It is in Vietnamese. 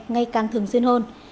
ngay càng thường xuyên hơn